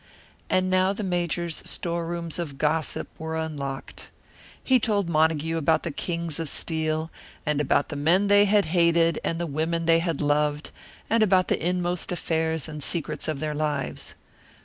And now the Major's store rooms of gossip were unlocked. He told Montague about the kings of Steel, and about the men they had hated and the women they had loved, and about the inmost affairs and secrets of their lives.